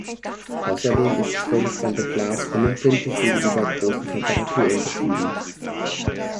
Außerdem ist das vorgespannte Glas unempfindlich gegenüber großen Temperaturunterschieden.